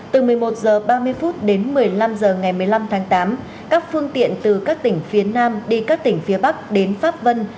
từ một mươi một h ba mươi đến một mươi năm h ngày một mươi năm tháng tám các phương tiện từ các tỉnh phía nam đi các tỉnh phía bắc đến pháp vân